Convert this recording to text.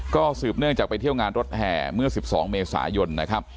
ก็สืบเนื่องจากไปเที่ยวงานรถแห่เมื่อ๑๒เมษายนนะครับ